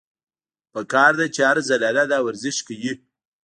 پکار ده چې هره زنانه دا ورزش کوي -